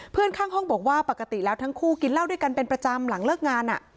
ข้างห้องบอกว่าปกติแล้วทั้งคู่กินเหล้าด้วยกันเป็นประจำหลังเลิกงาน